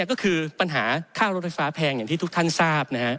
ก็คือปัญหาค่ารถไฟฟ้าแพงอย่างที่ทุกท่านทราบ